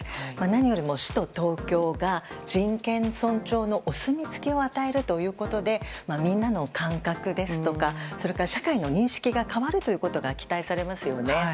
何よりも首都・東京が人権尊重のお墨付きを与えるということでみんなの感覚ですとかそれから社会の認識が変わることが期待されますよね。